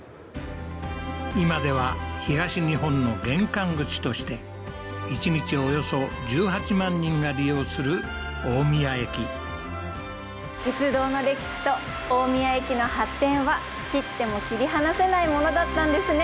今では東日本の玄関口として一日およそ１８万人が利用する大宮駅鉄道の歴史と大宮駅の発展は切っても切り離せないものだったんですね